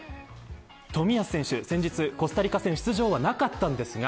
冨安選手、先日コスタリカ戦出場は、なかったんですか